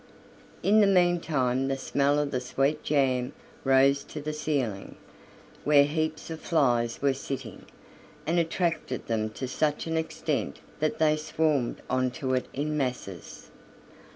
In the meantime the smell of the sweet jam rose to the ceiling, where heaps of flies were sitting, and attracted them to such an extent that they swarmed on to it in masses.